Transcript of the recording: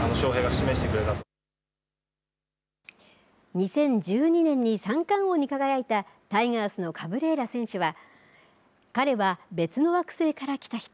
２０１２年に三冠王に輝いたタイガースのカブレーラ選手は、彼は別の惑星から来た人。